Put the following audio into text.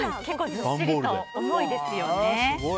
結構ずっしりと重いですよね。